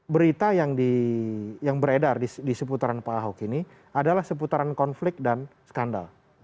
berita yang beredar di seputaran pak ahok ini adalah seputaran konflik dan skandal